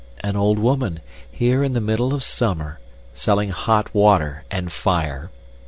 An old woman, here in the middle of summer, selling hot water and fire!